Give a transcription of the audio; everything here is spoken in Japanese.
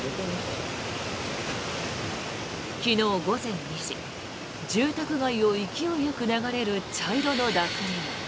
昨日午前２時住宅街を勢いよく流れる茶色の濁流。